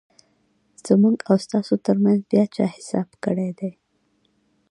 زموږ او ستاسو ترمنځ بیا چا حساب کړیدی؟